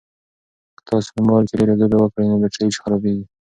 که تاسي په موبایل کې ډېرې لوبې وکړئ نو بېټرۍ خرابیږي.